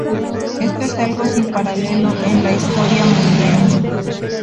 Esto es algo sin paralelo en la historia mundial.